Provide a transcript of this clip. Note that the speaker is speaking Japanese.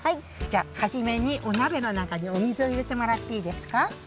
じゃはじめにおなべのなかにお水をいれてもらっていいですか？